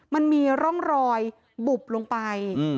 มันมีร่องรอยบุบลงไป